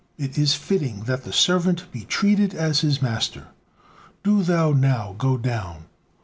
It is fitting that the servant be treated as his master. Do thou now go down.